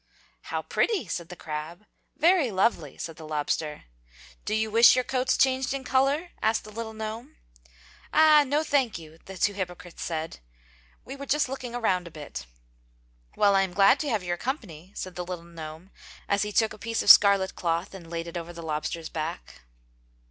"How pretty!" said the crab. "Very lovely!" said the lobster. "Do you wish your coats changed in color?" asked the little gnome. "Ah, no, thank you!" the two hypocrites said. "We were just looking around a bit!" "Well, I am glad to have your company," said the little gnome as he took a piece of scarlet cloth and laid it over the lobster's back.